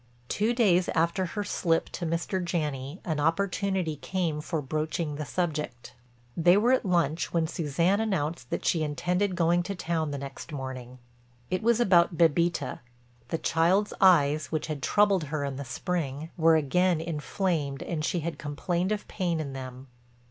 Two days after her slip to Mr. Janney an opportunity came for broaching the subject. They were at lunch when Suzanne announced that she intended going to town the next morning. It was about Bébita—the child's eyes, which had troubled her in the spring, were again inflamed and she had complained of pain in them.